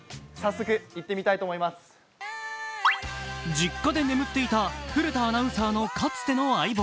実家で眠っていた古田アナウンサーのかつての相棒。